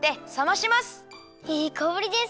いいかおりです！